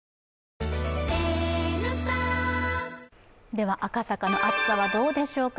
では赤坂の暑さはどうでしょうか。